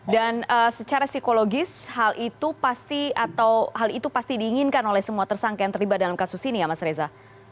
dan secara psikologis hal itu pasti atau hal itu pasti diinginkan oleh semua tersangka yang terlibat dalam kasus ini ya mas reza